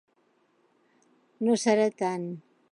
No serà tant!